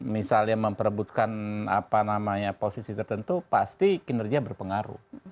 misalnya memperebutkan posisi tertentu pasti kinerja berpengaruh